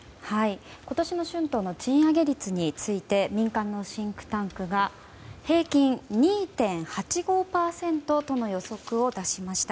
今年の春闘の賃上げ率について民間のシンクタンクが平均２．８５％との予測を出しました。